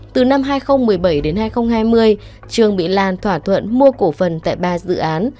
từ năm hai nghìn một mươi bảy đến hai nghìn hai mươi trường bị lan thỏa thuận mua cổ phần tại ba dự án